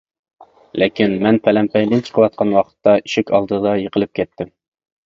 لېكىن مەن پەلەمپەيدىن چىقىۋاتقان ۋاقىتتا، ئىشىك ئالدىغا يىقىلىپ كەتتىم.